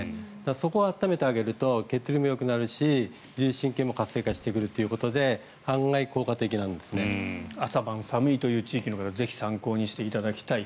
そこを温めてあげると血流もよくなるし自律神経も活性化してくるということで朝晩寒い地域の方はぜひ参考にしていただきたい。